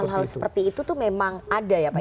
artinya hal hal seperti itu memang ada ya pak